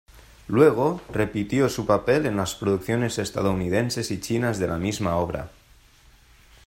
Luego, repitió su papel en las producciones estadounidenses y chinas de la misma obra.